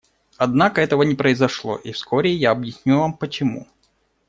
Однако этого не произошло, и вскоре я объясню вам почему.